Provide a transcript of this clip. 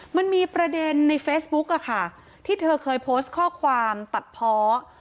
มันมีประเด็นในเฟซบุ๊กอะค่ะที่เธอเคยโพสต์ข้อความตัดเพาะ